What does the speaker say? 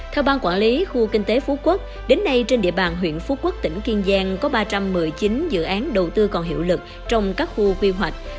theo ban quản lý khu kinh tế phú quốc đến nay trên địa bàn huyện phú quốc tỉnh kiên giang có ba trăm một mươi chín dự án đầu tư còn hiệu lực trong các khu quy hoạch